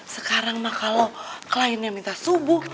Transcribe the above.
sekarang mah kalau kliennya minta subuh